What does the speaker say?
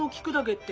って。